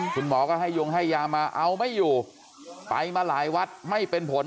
คุณหมอก็ให้ยงให้ยามาเอาไม่อยู่ไปมาหลายวัดไม่เป็นผล